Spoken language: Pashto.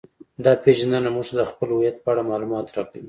دا پیژندنه موږ ته د خپل هویت په اړه معلومات راکوي